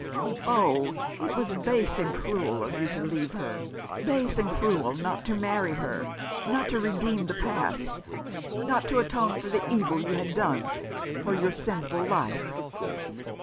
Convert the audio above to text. " Oh, it was base and cruel of you to leave her, base and cruel not to marry her, not to redeem the past, not to atone for the evil you had done — for your sinful life."